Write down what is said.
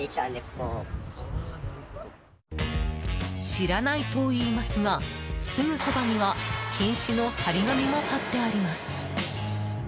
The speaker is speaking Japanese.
知らないと言いますがすぐそばには禁止の貼り紙も貼ってあります。